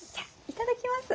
いただきます。